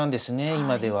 今では。